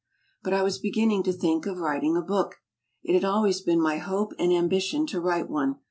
But I was beginning to think of writing a book. It had always been my hope and ambition to write one.